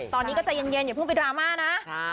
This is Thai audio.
ตอนนี้ก็ใจเย็นอย่าเพิ่งไปดราม่านะ